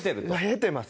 経てます。